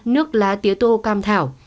ba nước lá tía tô cam thảo